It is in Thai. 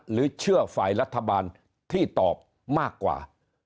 หรือเชื่อฝ่ายรัฐบาลที่ตอบมากกว่า